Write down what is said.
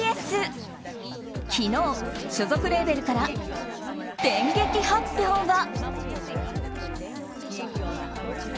昨日、所属レーベルから電撃発表が。